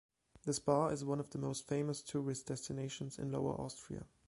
The spa is one of the most famous tourist destinations in Lower Austria.